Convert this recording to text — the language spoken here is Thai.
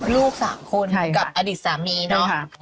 ลูก๓คนกับอดีตสามีเนอะใช่ค่ะใช่ค่ะ